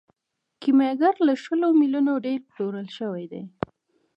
کیمیاګر له شلو میلیونو ډیر پلورل شوی دی.